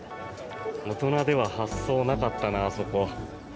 大人では発想なかったなあそこ。